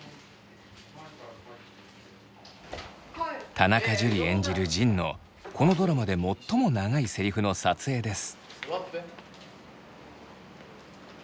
田中樹演じる仁のこのドラマで最も長いセリフの撮影です。